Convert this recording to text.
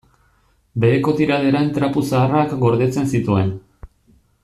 Beheko tiraderan trapu zaharrak gordetzen zituen.